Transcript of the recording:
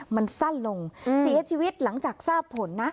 มันสั้นลงเสียชีวิตหลังจากทราบผลนะ